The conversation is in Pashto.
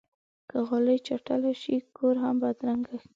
که غالۍ چټله شي، کور هم بدرنګه ښکاري.